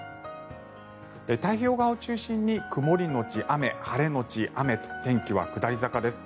太平洋側を中心に曇りのち雨、晴れのち雨と天気は下り坂です。